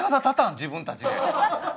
自分たちで。